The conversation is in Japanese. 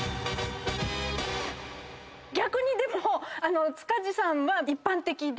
逆にでも塚地さんは一般的で。